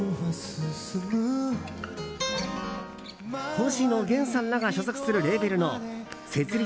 星野源さんらが所属するレーベルの設立